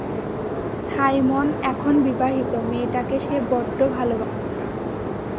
Simon এখন বিবাহিত, মেয়েটাকে সে বড্ড ভালোবাসে।